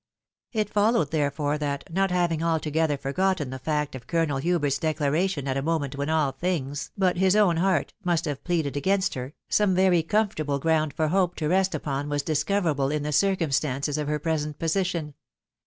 It fol lowed, therefore, that, not having altogether forgotten, the feat of Colonel Hubert's declaration at a moment when, all *Tii*fli but his own heart, must have pleaded against her, some vary comfortable ground for hope to rest upon waa diacoveraU* ia the circumstances of her present position.